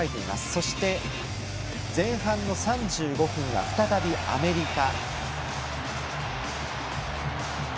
そして、前半３５分に再びアメリカ。